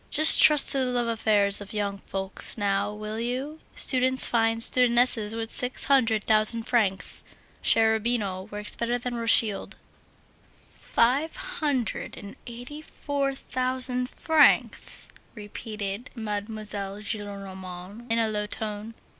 Just trust to the love affairs of young folks now, will you! Students find studentesses with six hundred thousand francs. Cherubino works better than Rothschild." "Five hundred and eighty four thousand francs!" repeated Mademoiselle Gillenormand, in a low tone.